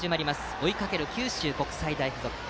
追いかける九州国際大付属。